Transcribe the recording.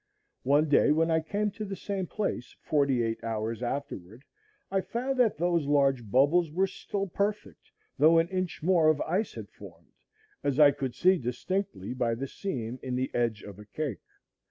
One day when I came to the same place forty eight hours afterward, I found that those large bubbles were still perfect, though an inch more of ice had formed, as I could see distinctly by the seam in the edge of a cake.